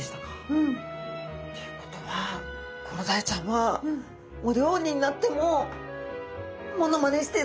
うん。ということはコロダイちゃんはお料理になってもモノマネしてるってことでしょうかね。